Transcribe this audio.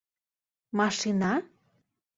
Машина?